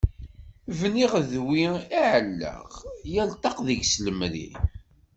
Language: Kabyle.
I bniɣ d wi ɛellaɣ, yal ṭṭaq deg-s lemri.